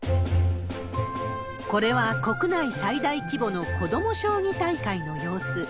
これは、国内最大規模の子ども将棋大会の様子。